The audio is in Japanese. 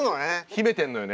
秘めてるのよね